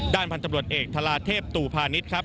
ด้านพันธุ์จำรวจเอกทาราเทพตูพานิทครับ